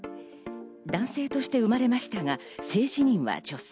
男性として生まれましたが、性自認は女性。